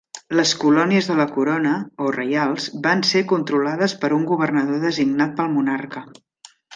Les colònies de la corona, o reials, van ser controlades per un governador designat pel monarca.